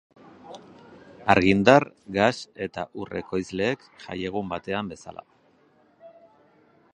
Argindar, gas eta ur ekoizleek jaiegun batean bezala.